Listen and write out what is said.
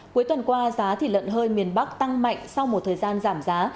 cuối tuần qua giá thịt lợn hơi miền bắc tăng mạnh sau một thời gian giảm giá